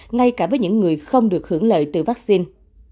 ngay cả với những người không được hưởng lợi từ vaccine